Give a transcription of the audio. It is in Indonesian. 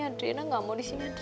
adriana gak mau disini